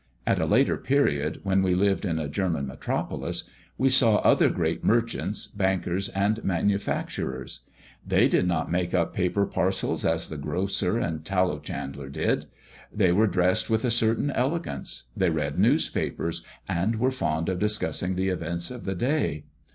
At a later period, when we lived in a German metropolis, we saw other great merchants, bankers, and manufacturers. They did not make up paper parcels as the grocer and tallow chandler did; they were dressed with a certain elegance; they read newspapers, and were fond of discussing the events of the day.